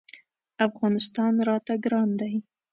افغانستان راته ګران دی.